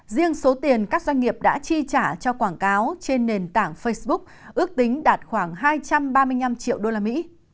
riêng số tiền các doanh nghiệp đã chi trả cho quảng cáo trên nền tảng facebook ước tính đạt khoảng hai trăm ba mươi năm triệu usd